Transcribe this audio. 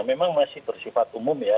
memang masih bersifat umum ya